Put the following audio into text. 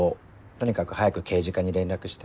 とにかく早く刑事課に連絡して。